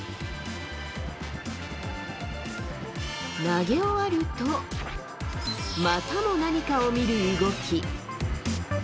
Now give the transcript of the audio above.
投げ終わると、またも何かを見る動き。